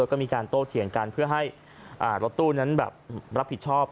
ก็มีการโตเถียงกันเพื่อให้รถตู้นั้นแบบรับผิดชอบ